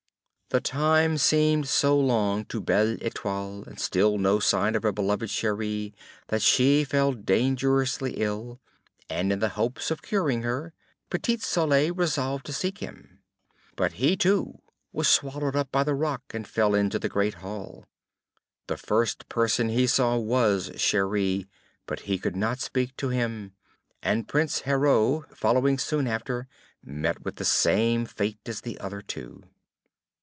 The time seemed so long to Belle Etoile, and still no signs of her beloved Cheri, that she fell dangerously ill; and in the hopes of curing her, Petit Soleil resolved to seek him. But he too was swallowed up by the rock and fell into the great hall. The first person he saw was Cheri, but he could not speak to him; and Prince Heureux, following soon after, met with the same fate as the other two.